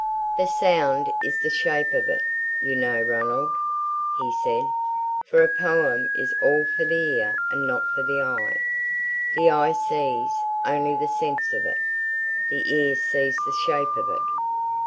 "The sound is the shape of it, you know, Ranald," he said, "for a poem is all for the ear and not for the eye. The eye sees only the sense of it; the ear sees the shape of it.